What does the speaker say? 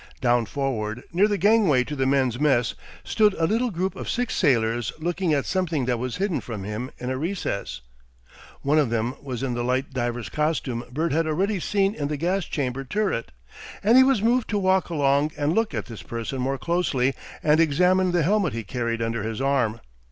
Down forward, near the gangway to the men's mess, stood a little group of air sailors looking at something that was hidden from him in a recess. One of them was in the light diver's costume Bert had already seen in the gas chamber turret, and he was moved to walk along and look at this person more closely and examine the helmet he carried under his arm.